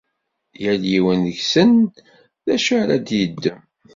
Yal yiwen deg-sen d acu ara d-yeddem.